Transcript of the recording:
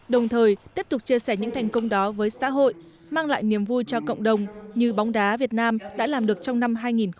đồng thời tiếp tục chia sẻ những thành công đó với xã hội mang lại niềm vui cho cộng đồng như bóng đá việt nam đã làm được trong năm hai nghìn hai mươi ba